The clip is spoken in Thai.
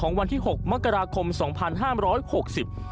สวัสดีครับ